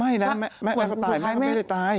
ไม่นะแม่เขาตายไม่ได้ตาย